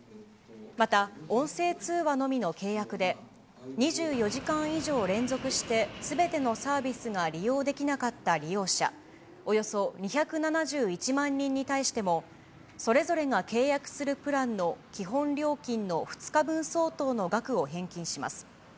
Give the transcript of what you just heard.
また音声通話のみの契約で、２４時間以上連続してすべてのサービスが利用できなかった利用者、およそ２７１万人に対しても、それぞれが契約するプランの基本料金の２日分相当の額を返金します。